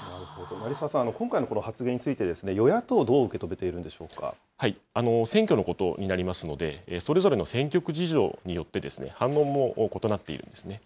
成澤さん、今回のこの発言について与野党、どう受選挙のことになりますので、それぞれの選挙区事情によって、反応も異なっているんですね。